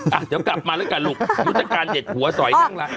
อ่ะเดี๋ยวกลับมาแล้วกันลูกยุทธการเด็ดหัวสอยนั่งละ